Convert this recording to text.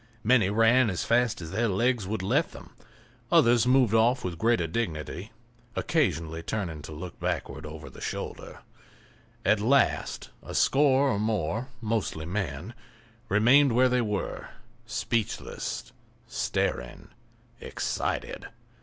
Many ran as fast as their legs would let them; others moved off with greater dignity, turning occasionally to look backward over the shoulder. At last a score or more, mostly men, remained where they were, speechless, staring, excited.